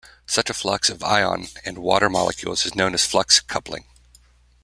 Such a flux of ion and water molecules is known as flux coupling.